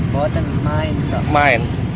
bawah itu main